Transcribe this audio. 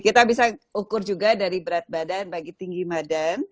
kita bisa ukur juga dari berat badan bagi tinggi badan